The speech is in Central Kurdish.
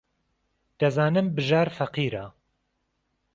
دەزانم بژار فەقیرە.